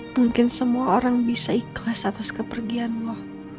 mungkin semua orang bisa ikhlas atas kepergian lo